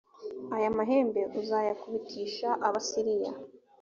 aya mahembe uzayakubitisha abasiriya